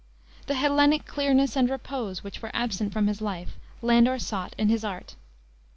The Hellenic clearness and repose which were absent from his life, Landor sought in his art.